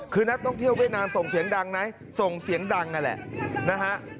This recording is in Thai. คือนักท่องเที่ยวเวียดนามส่งเสียงดังนะส่งเสียงดังนั่นแหละนะฮะ